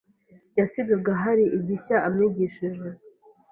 yasigaga hari igishya amwigishije.